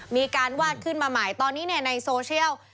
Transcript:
มีการวาดขึ้นมาใหม่ตอนนี้ในโซเชียล